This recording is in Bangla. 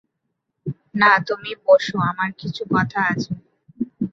না তুমি বসো আমার কিছু কথা আছে।